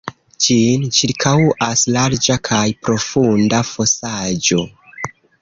Ĝin ĉirkaŭas larĝa kaj profunda fosaĵo.